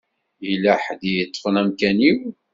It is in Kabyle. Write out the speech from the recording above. Yella ḥedd i yeṭṭfen amkan-iw.